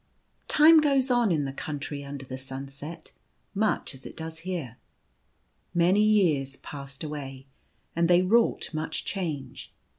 * IME goes on in the Country Under the Sunset much as it does here. Many years passed away : and they wrought much change.